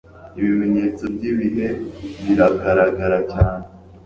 Ibimenyetso by'ibihe biragaragara cyane.